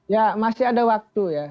ya masih ada waktu ya